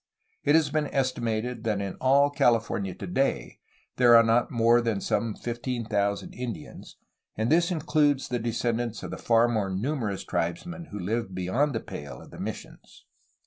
It has been esti mated that in all California to day there are not more than some 15,000 Indians, and this includes the descendants of the far more numerous tribesmen who lived beyond the pale of the missions.